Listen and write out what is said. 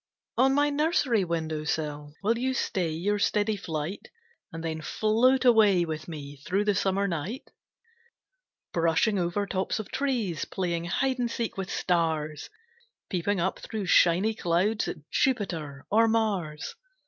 On my nursery window sill Will you stay your steady flight? And then float away with me Through the summer night? Brushing over tops of trees, Playing hide and seek with stars, Peeping up through shiny clouds At Jupiter or Mars.